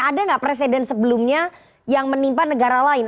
ada nggak presiden sebelumnya yang menimpa negara lain